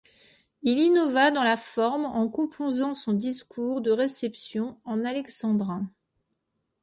Il innova dans la forme en composant son discours de réception en alexandrins.